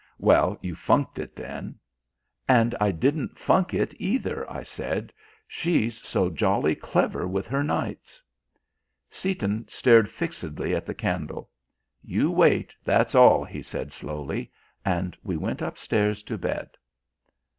"Well, you funked it, then." "And I didn't funk it either," I said; "she's so jolly clever with her knights." Seaton stared fixedly at the candle. "You wait, that's all," he said slowly. And we went upstairs to bed.